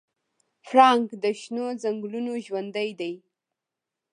پړانګ د شنو ځنګلونو ژوندی دی.